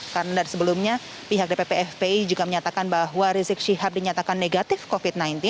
karena dari sebelumnya pihak dpp fpi juga menyatakan bahwa rizik syihab dinyatakan negatif covid sembilan belas